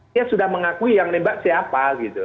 dia sudah mengakui yang nembak siapa gitu